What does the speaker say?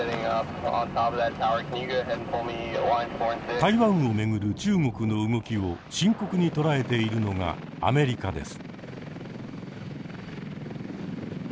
台湾を巡る中国の動きを深刻に捉えているのがアメリカです。